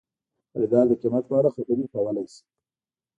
خریدار د قیمت په اړه خبرې کولی شي.